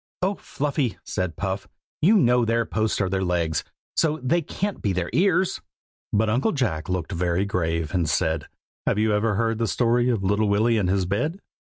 "Oh! Fluffy," said Puff, "you know their posts are their legs, so they can't be their ears." But Uncle Jack looked very grave, and said, "Have you never heard the story of Little Willy and his bed?